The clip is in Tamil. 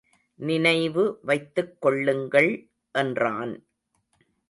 நினைவு வைத்துக் கொள்ளுங்கள் என்றான்.